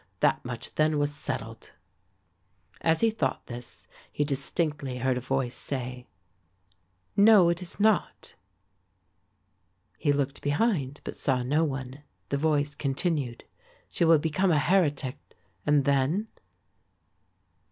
That much then was settled. As he thought this, he distinctly heard a voice say, "No, it is not." He looked behind, but saw no one. The voice continued, "She will become a heretic and then...?"